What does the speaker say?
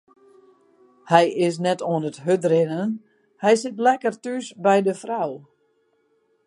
Hy is net oan it hurdrinnen, hy sit lekker thús by de frou.